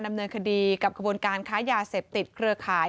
ดำเนินคดีกับขบวนการค้ายาเสพติดเครือข่าย